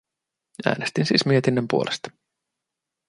Äänestin siis mietinnön puolesta.